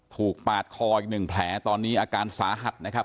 ถูกปาดคออีก๑แผลตอนนี้อาการสาหัสนะครับ